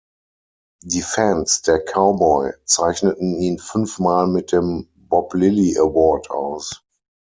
Die Fans der Cowboy zeichneten ihn fünfmal mit dem Bob Lilly Award aus.